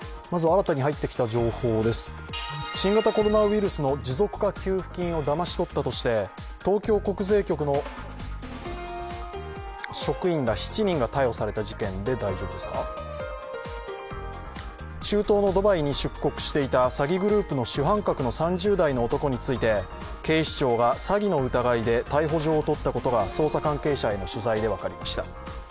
新型コロナウイルスの持続化給付金をだまし取ったとして東京国税局の職員ら７人が逮捕された事件で、中東のドバイに出国していた詐欺グループの主犯格の３０代の男について警視庁が詐欺の疑いで逮捕状を取ったことが捜査関係者への取材で分かりました。